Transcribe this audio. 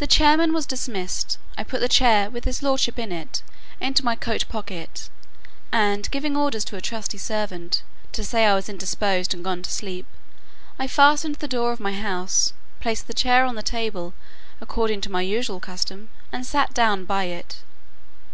The chairmen were dismissed; I put the chair, with his lordship in it, into my coat pocket: and, giving orders to a trusty servant, to say I was indisposed and gone to sleep, I fastened the door of my house, placed the chair on the table, according to my usual custom, and sat down by it.